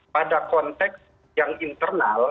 pada konteks yang internal